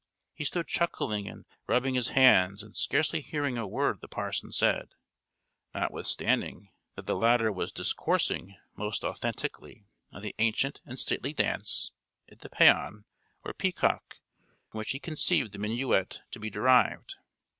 He stood chuckling and rubbing his hands, and scarcely hearing a word the parson said, notwithstanding that the latter was discoursing most authentically on the ancient and stately dance at the Paon, or Peacock, from which he conceived the minuet to be derived.